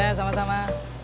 ya sama sama